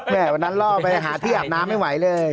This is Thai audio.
วันนั้นล่อไปหาที่อาบน้ำไม่ไหวเลย